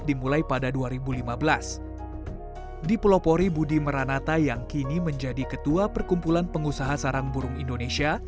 di pulau pori budi meranata yang kini menjadi ketua perkumpulan pengusaha sarang burung indonesia